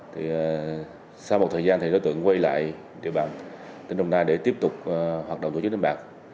thì sau một thời gian thì đối tượng quay lại địa bàn tỉnh đồng nai để tiếp tục hoạt động tổ chức đánh bạc